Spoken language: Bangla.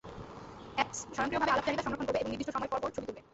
অ্যাপস স্বয়ংক্রিয়ভাবে আলাপচারিতা সংরক্ষণ করবে এবং নির্দিষ্ট সময় পরপর ছবি তুলবে।